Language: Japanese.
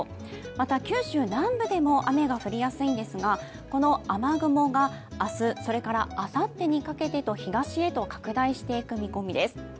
また九州南部でも雨が降りやすいんですがこの雨雲が明日、それからあさってにかけてと東へと拡大していく見込みです。